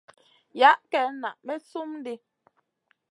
Yah ken na may slum di.